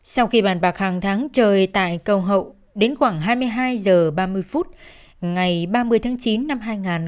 sau khi bàn bạc hàng tháng trời tại cầu hậu đến khoảng hai mươi hai h ba mươi phút ngày ba mươi tháng chín năm hai nghìn một mươi chín